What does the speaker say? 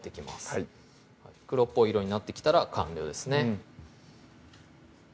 はい黒っぽい色になってきたら完了ですね